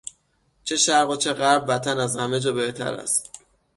چه شرق و چه غرب وطن از همهجا بهتر است!